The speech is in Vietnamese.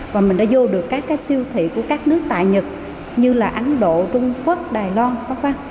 và mình đã vô được các siêu thị của các nước tại nhật như là ấn độ trung quốc đài loan v v